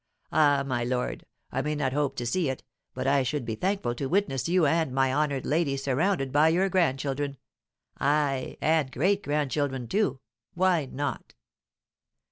Ah, my lord, I may not hope to see it, but I should be thankful to witness you and my honoured lady surrounded by your grandchildren, ay, and great grandchildren too, why not?"